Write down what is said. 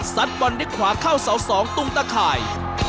สัดบอลเล็กขวาเข้าเสา๒ตุ้งตะข่าย